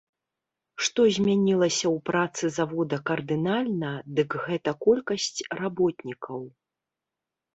Што змянілася ў працы завода кардынальна, дык гэта колькасць работнікаў.